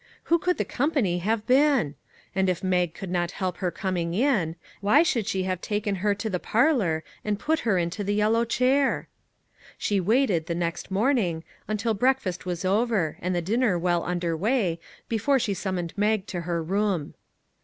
Who could the company have been? And if Mag could not help her coming in, why should she have taken her to the parlor and put her into the yellow chair ? She waited, the next morning, until breakfast was over, and the dinner well under way, before she summoned Mag to her room.